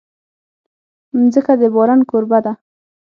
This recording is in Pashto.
مځکه د باران کوربه ده.